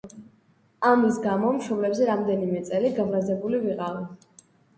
ამის გამო მშობლებზე რამდენიმე წელი გაბრაზებული ვიყავი.